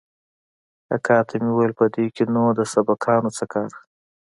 اکا ته مې وويل په دې کښې نو د سبقانو څه کار.